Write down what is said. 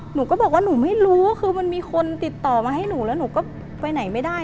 หนูก็บอกว่าหนูไม่รู้คือมันมีคนติดต่อมาให้หนูแล้วหนูก็ไปไหนไม่ได้